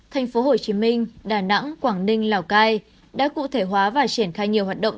thành phố hồ chí minh đà nẵng quảng ninh lào cai đã cụ thể hóa và triển khai nhiều hoạt động